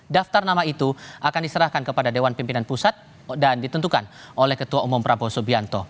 daftar nama itu akan diserahkan kepada dewan pimpinan pusat dan ditentukan oleh ketua umum prabowo subianto